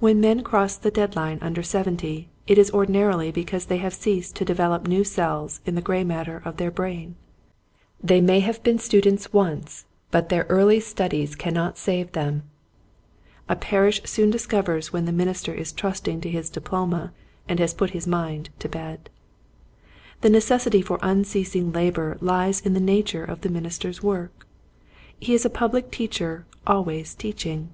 When men cross the deadline under seventy it is ordinarily because they have ceased to develop new cells in the gray matter of their brain. They may have been students once but their early studies cannot save them. A parish soon dis covers when the minister is trusting to his diploma and has put his mind to bed. The necessity for unceasing labor lies in the nature of the minister's work. He is a public teacher always teaching.